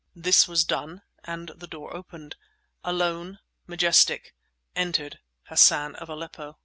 This was done, and the door opened. Alone, majestic, entered Hassan of Aleppo.